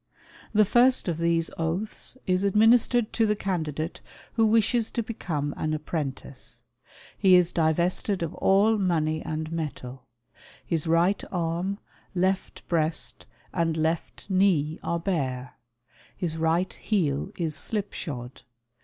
The first of these oaths is administered to the candidate who wishes to become an apprentice. He is divested of all money and metal. His right arm, left breast and left knee are bare. His right heel is slipshod.